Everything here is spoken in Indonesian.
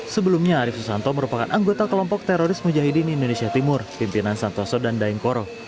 sebelumnya arief susanto merupakan anggota kelompok teroris mujahidin indonesia timur pimpinan santoso dan daengkoro